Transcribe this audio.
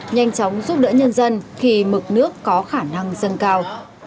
nhanh chóng giúp đỡ nhân dân khi mực nước có khả năng dâng cao